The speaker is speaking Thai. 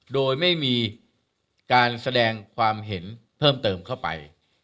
โดยไม่มีการแสดงความเห็นเพิ่มเติมเข้าไป